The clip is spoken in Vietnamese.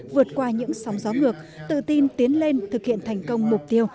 vượt qua những sóng gió ngược tự tin tiến lên thực hiện thành công mục tiêu